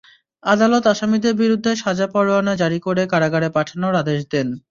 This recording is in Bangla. আদালত আসামিদের বিরুদ্ধে সাজা পরোয়ানা জারি করে কারাগারে পাঠানোর আদেশ দেন।